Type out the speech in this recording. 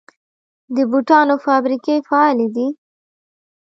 د بوټانو فابریکې فعالې دي؟